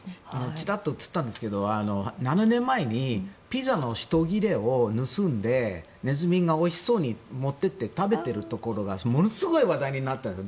ちらっと映ったんですが７年前にピザの１切れを盗んでネズミがおいしそうに持っていって食べているところがものすごい話題になったんです。